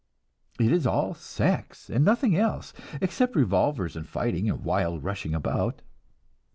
It is all sex, and nothing else except revolvers and fighting, and wild rushing about.